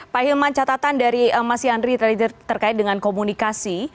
pak hilman catatan dari mas yandri terkait dengan komunikasi